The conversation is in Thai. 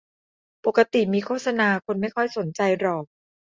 ปกติมีโฆษณาคนไม่ค่อยสนใจหรอก